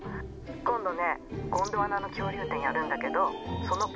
今度ね「ゴンドワナの恐竜展」やるんだけどそのポスターにも出てる。